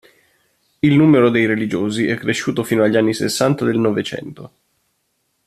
Il numero dei religiosi è cresciuto fino agli anni sessanta del Novecento.